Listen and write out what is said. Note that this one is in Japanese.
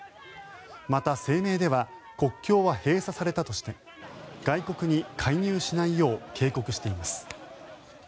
また、声明では国境は閉鎖されたとして外国に介入しないよう警告しています。